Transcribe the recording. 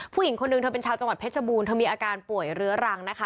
ผู้หญิงคนนึงเธอเป็นชาวจังหวัดเพชรบูรณเธอมีอาการป่วยเรื้อรังนะคะ